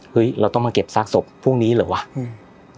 เฮ้ยเราต้องมาเก็บซากศพพวกนี้เหรอวะอืม